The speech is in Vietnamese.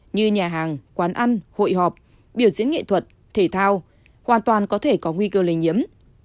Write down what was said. như nhà hàng quán ăn hội họp biểu diễn nghệ thuật thể thao hoàn toàn có thể có nguy cơ lây nhiễm